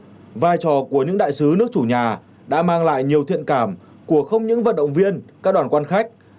trong đó vai trò của những đại sứ nước chủ nhà đã mang lại nhiều thiện cảm của không những vận động viên các đoàn quan khách